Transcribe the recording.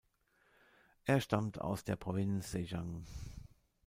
Er stammt aus der Provinz Zhejiang.